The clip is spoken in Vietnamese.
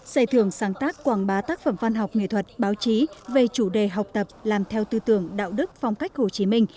giải thưởng sáng tác quảng bá tác phẩm văn học nghệ thuật báo chí về chủ đề học tập làm theo tư tưởng đạo đức phong cách hồ chí minh